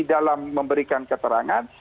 dalam memberikan keterangan